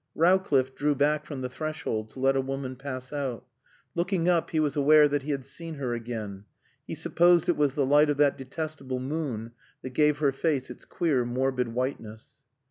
Rowcliffe drew back from the threshold to let a woman pass out. Looking up, he was aware that he had seen her again. He supposed it was the light of that detestable moon that gave her face its queer morbid whiteness.